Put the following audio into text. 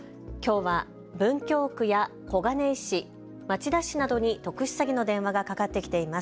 きょうは文京区や小金井市、町田市などに特殊詐欺の電話がかかってきています。